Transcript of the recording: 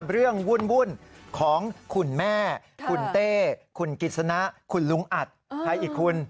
เรื่องวุ่นของคุณแม่คุณเต้คุณกิษณะคุณลุงอัตไทยอีกคุณ